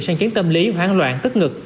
sang chiến tâm lý hoảng loạn tức ngực